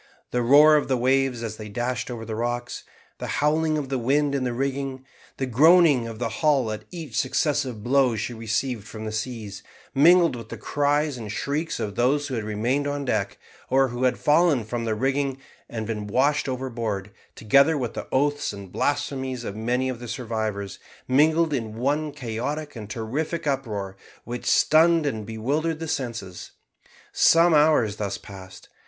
The roar of the waves as they dashed over the rocks, the howling of the wind in the rigging, the groaning of the hull at each successive blow she received from the seas, mingled with the cries and shrieks of those who had remained on deck, or had fallen from the rigging and been washed overboard, together with the oaths and blasphemies of many of the survivors, mingled in one chaotic and terrific uproar, which stunned and bewildered the senses. Some hours thus passed.